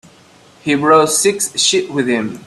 He brought six sheep with him.